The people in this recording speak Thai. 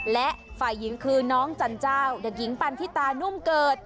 และฝ่ายหญิงคือน้องจันเจ้าเด็กหญิงปันทิตานุ่มเกิด